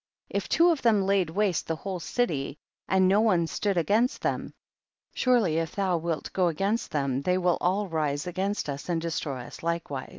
45. If two of them laid waste the whole city, and no one stood against them, surely if thou wilt go against them, they" will all rise against us and destroy us likewise.